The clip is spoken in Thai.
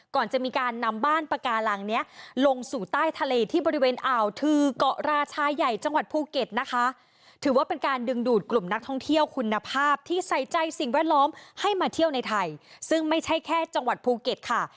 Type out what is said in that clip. ก่อนจะมีการนำบ้านปากาลังเนี้ยลงสู่ใต้ทะเลที่บริเวณอ่าวทือเกาะราชาใหญ่จังหวัดภูเก็ตนะคะ